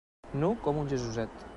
Nu com un Jesuset.